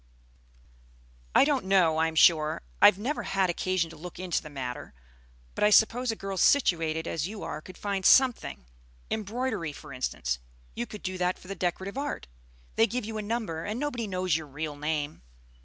"I don't know, I'm sure. I've never had occasion to look into the matter, but I suppose a girl situated as you are could find something, embroidery, for instance. You could do that for the Decorative Art. They give you a number, and nobody knows your real name."